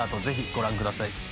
ぜひご覧ください。